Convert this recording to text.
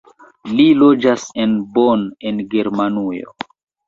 Li loĝas en Bonn en Germanujo.